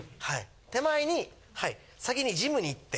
手前に先にジムに行って。